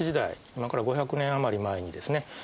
今から５００年余り前にですね